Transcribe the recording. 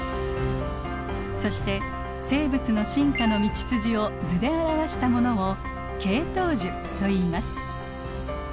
そして生物の進化の道筋を図で表したものを「系統樹」といいます。